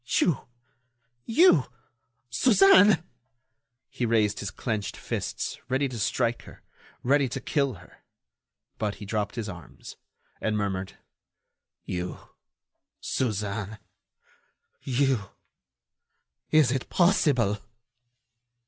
"You! You! Suzanne!" He raised his clenched fists, ready to strike her, ready to kill her. But he dropped his arms, and murmured: "You, Suzanne.... You!... Is it possible?"